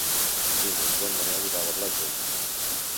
Diumenge en Manel irà a la platja.